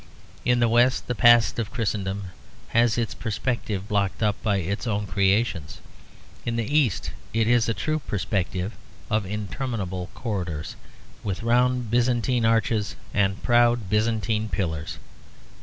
In the West the past of Christendom has its perspective blocked up by its own creations; in the East it is a true perspective of interminable corridors, with round Byzantine arches and proud Byzantine pillars.